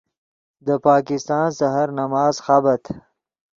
دے پاکستان سحر نماز خابت